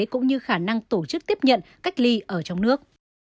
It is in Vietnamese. cũng như khả năng tổ chức tiếp nhận cách ly ở trong nước